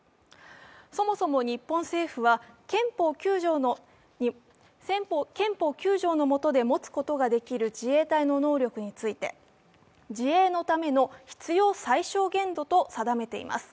そもそも日本政府は憲法９条のもとで持つことができる自衛隊の能力について、自衛のための必要最小限度と定めています。